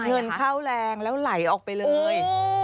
เงินเข้าแรงแล้วไหลออกไปเลย